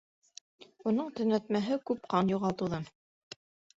Уның төнәтмәһе күп ҡан юғалтыуҙан.